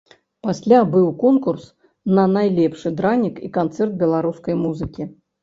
Пасля быў конкурс на найлепшы дранік і канцэрт беларускай музыкі.